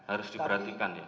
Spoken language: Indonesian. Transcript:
harus diperhatikan ya